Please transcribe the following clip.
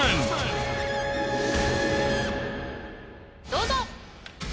どうぞ！